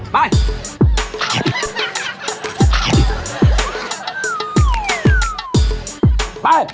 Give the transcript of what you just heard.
ไปเร็วเข้า